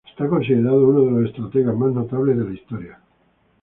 Es considerado uno de los estrategas más notables de la historia.